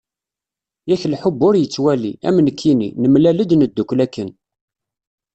Yak lḥubb ur yettwali, am nekkini, nemlal-d neddukel akken.